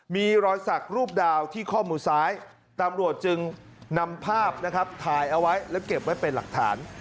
มีรอยสักรูปดาวที่ข้อมือซ้ายตำรวจจึงนำภาพนะครับถ่ายเอาไว้แล้วเก็บไว้เป็นหลักฐาน